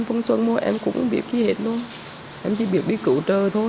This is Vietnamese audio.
vẫn còn chưa hoàn thiện do tình hình mưa bão kéo dài